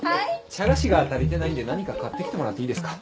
茶菓子が足りてないんで何か買ってきてもらっていいですか。